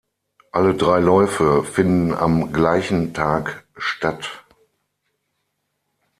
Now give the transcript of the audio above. Alle drei Läufe finden am gleichen Tag statt.